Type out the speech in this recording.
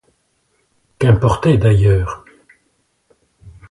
Qu’importait d’ailleurs ?